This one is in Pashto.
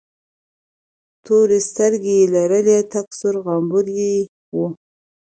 تورې سترگې يې لرلې، تک سره غمبوري یې ول.